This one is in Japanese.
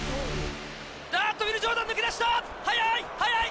ウィル・ジョーダン抜け出した、速い！